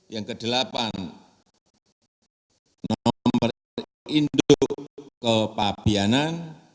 yang kedelapan nomor induk kepabianan